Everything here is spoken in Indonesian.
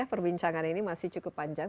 perbincangan ini masih cukup panjang